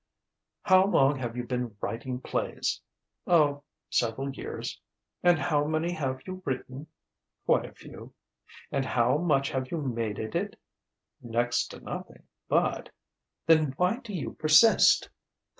'" "How long have you been writing plays?" "Oh ... several years." "And how many have you written?" "Quite a few." "And how much have you made at it?" "Next to nothing, but " "Then why do you persist?"